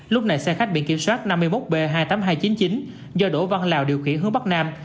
lúc này xe khách biển kiểm soát năm mươi một b hai mươi tám nghìn hai trăm chín mươi chín do đỗ văn lào điều khiển hướng bắc nam